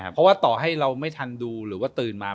เพราะว่าต่อให้เราไม่ทันดูหรือว่าตื่นมา